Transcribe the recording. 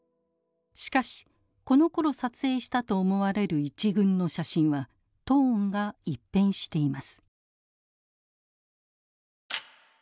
しかしこのころ撮影したと思われる一群の写真はトーンが一変しています。